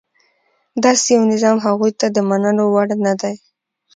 داسې یو نظام هغوی ته د منلو وړ نه دی.